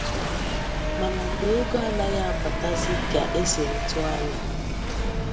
Mana mgbe ego anaghị abatazị ka e siri tụọ anya